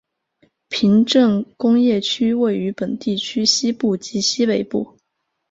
平镇工业区位于本地区西部及西北部。